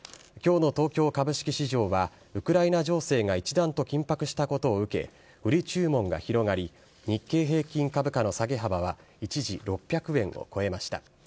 きょうの東京株式市場は、ウクライナ情勢が一段と緊迫したことを受け売り注文が広がり、日経平均株価の下げ幅は一時６００円を超えました。